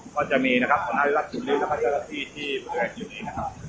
ก็จะมีนะครับคนไหนรับทีนี้ทีนี้ครับ